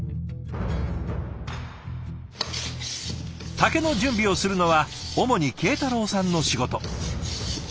竹の準備をするのは主に慶太郎さんの仕事。